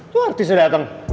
tuh artis udah dateng